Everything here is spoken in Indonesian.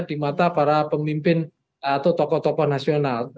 di mata para pemimpin atau toko toko nasional